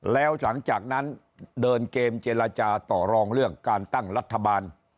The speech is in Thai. แล้วหลังจากนั้นเดินเกมเจรจาต่อรองเรื่องการตั้งรัฐบาล